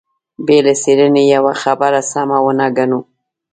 بې له څېړنې يوه خبره سمه ونه ګڼو.